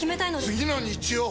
次の日曜！